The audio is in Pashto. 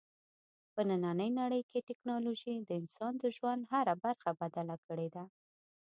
په نننۍ نړۍ کې ټیکنالوژي د انسان د ژوند هره برخه بدله کړې ده.